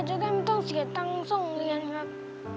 จะต้องเสียตังค์ส่งเรียนครับ